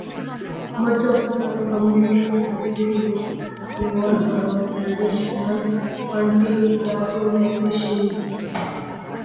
Much of the community's livelihood revolves around traditional hunting, trapping and fishing.